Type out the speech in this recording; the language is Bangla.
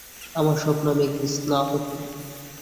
আমাদের স্বপ্ন আমি একদিন স্নাতক হব।